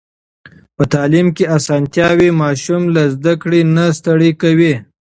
په تعلیم کې اسانتيا وي، ماشوم له زده کړې نه ستړی کوي.